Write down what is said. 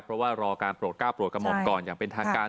เพราะว่ารอการโปรดก้าวโปรดกระหม่อมก่อนอย่างเป็นทางการ